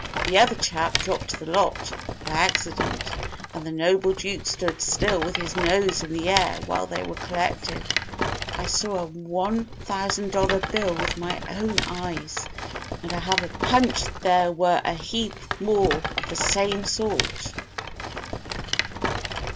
The other chap dropped the lot, by accident, and the noble Duke stood still with his nose in the air while they were collected. I saw a one thousand dollar bill with my own eyes, and I have a hunch there were a heap more of the same sort."